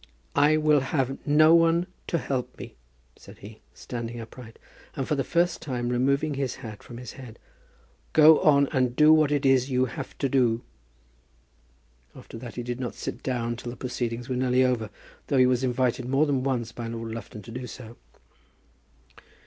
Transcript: "I will have no one to help me," said he, standing upright, and for the first time removing his hat from his head. "Go on, and do what it is you have to do." After that he did not sit down till the proceedings were nearly over, though he was invited more than once by Lord Lufton to do so.